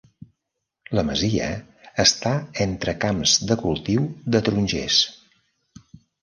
La masia està entre camps de cultiu de tarongers.